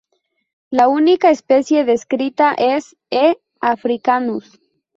La única especie descrita es E. africanus.